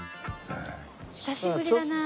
久しぶりだなあ。